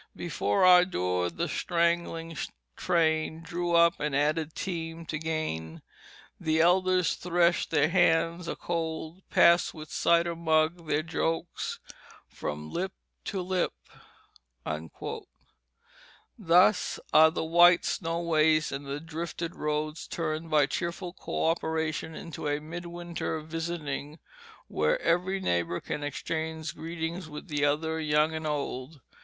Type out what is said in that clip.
Before our door the straggling train Drew up, an added team to gain. The elders threshed their hands a cold, Passed, with the cider mug, their jokes From lip to lip." Thus are the white snow waste and the drifted roads turned by cheerful coöperation into a midwinter visiting where every neighbor can exchange greetings with the other, young and old.